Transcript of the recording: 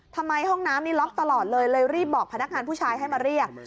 ทำไมห้องน้ำนี่ล็อกตลอดเลยเลยรีบบอกพนักงานผู้ชายให้มาเรียก